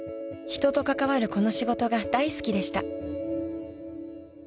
［人と関わるこの仕事が大好きでした］